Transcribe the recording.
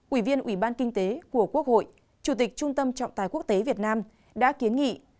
ủy viên ủy ban kinh tế của quốc hội chủ tịch trung tâm trọng tài quốc tế việt nam đã kiến nghị